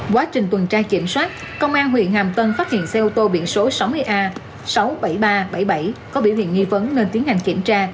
quá trình tuần tra kiểm soát công an huyện hàm tân phát hiện xe ô tô biển số sáu mươi a sáu nghìn bảy trăm ba mươi bảy có biểu hiện nghi vấn nên tiến hành kiểm tra